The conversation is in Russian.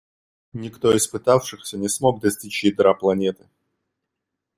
Никто из пытавшихся не смог достичь ядра планеты.